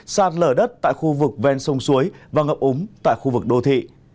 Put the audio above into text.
sạt lở đất tại khu vực ven sông suối và ngập úng tại khu vực đô thị